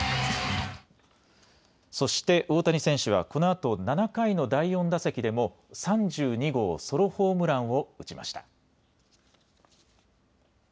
そして大谷選手はこのあと７回の第４打席でも３２号ソロホームランを打ちました。